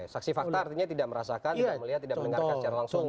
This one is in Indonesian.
saksi fakta artinya tidak merasakan tidak melihat tidak mendengarkan secara langsung